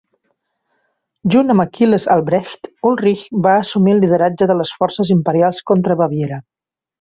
Junt amb Aquil·les Albrecht, Ulrich va assumir el lideratge de les forces imperials contra Baviera.